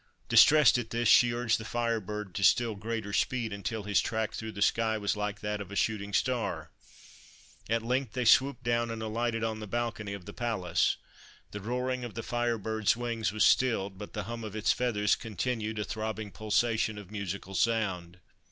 Distressed at this, she urged the Fire Bird to still greater speed, until his track through the sky was like that of a shooting star. At length they swooped down and alighted on the balcony of the palace. The roaring of the Fire Bird's wings was stilled, but the hum of its feathers continued a throbbing pulsation of musical sound.